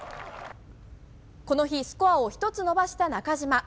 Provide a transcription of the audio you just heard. この日、スコアを１つ伸ばした中島。